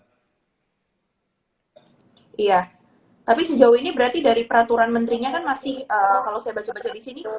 iya tapi sejauh ini berarti dari peraturan menterinya kan masih kalau saya baca baca di sini